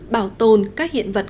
bảo tồn các hiện vật